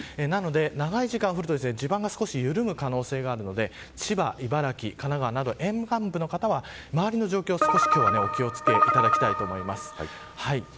長い時間降ると地盤が緩む可能性があるので千葉、茨城、神奈川など沿岸部の方、周りの状況に気を付けていただきたいと思います。